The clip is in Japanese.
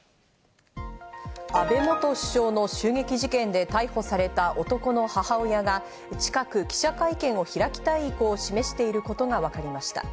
安倍元首相の襲撃事件で逮捕された男の母親が近く記者会見を開きたい意向を示していることがわかりました。